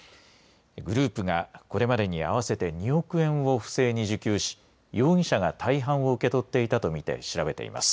グループがこれまでに合わせて２億円を不正に受給し容疑者が大半を受け取っていたと見て調べています。